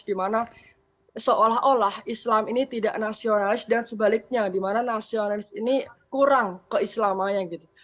dimana seolah olah islam ini tidak nasionalis dan sebaliknya di mana nasionalis ini kurang ke islamanya gitu